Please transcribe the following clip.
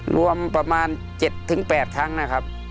รวมประมาณ๗๘ครั้งนะครับ